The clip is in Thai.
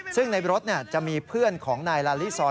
ซึ่งในรถเนี่ยจะมีเพื่อนของนายราลีซอร์